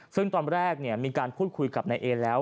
ซึ่งตอนแรกมีการพูดคุยกับนายเอแล้ว